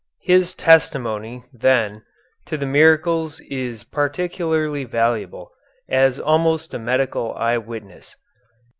His testimony, then, to the miracles is particularly valuable as almost a medical eye witness.